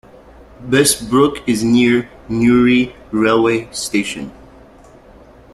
Bessbrook is near Newry railway station.